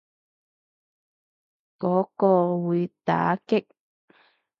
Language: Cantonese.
讀嗰個會打棘